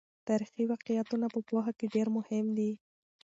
تاریخي واقعیتونه په پوهه کې ډېر مهم دي.